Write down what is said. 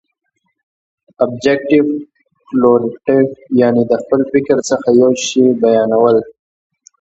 ابجګټف کورلیټف، یعني د خپل فکر څخه یو شي بیانول.